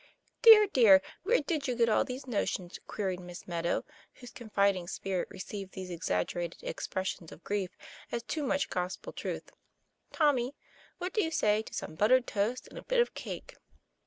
' Dear, dear, where did you get all these notions ?" queried Miss Meadow, whose confiding spirit received these exaggerated expressions of grief as so much gospel truth. ' Tommy, what do you say to some buttered toast, and a bit of cake?"